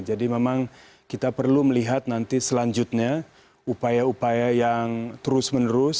jadi memang kita perlu melihat nanti selanjutnya upaya upaya yang terus menerus